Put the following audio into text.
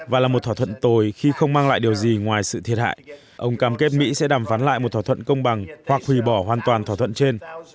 và là một thỏa thuận tồi khi không mang lại điều gì ngoài sự thiệt hại ông cam kết mỹ sẽ đàm phán lại một thỏa thuận công bằng hoặc hủy bỏ hoàn toàn thỏa thuận trên